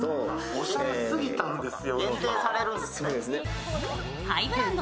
おしゃれすぎたんですよ。